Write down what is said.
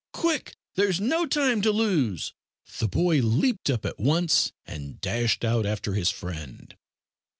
Quick! there's no time to lose." The boy leaped up at once, and dashed out after his friend.